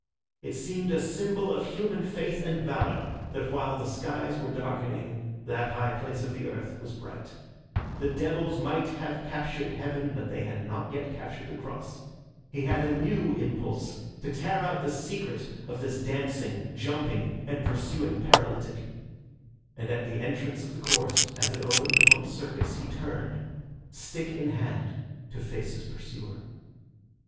It seemed a symbol of human faith and valour that while the skies were darkening that high place of the earth was bright. The devils might have captured heaven, but they had not yet captured the cross. He had a new impulse to tear out the secret of this dancing, jumping and pursuing paralytic; and at the entrance of the court as it opened upon the Circus he turned, stick in hand, to face his pursuer.